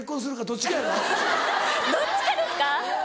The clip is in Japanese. どっちかですか？